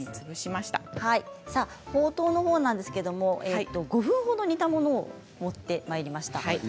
ほうとうのほうですが５分ほど煮たものを持ってまいりました。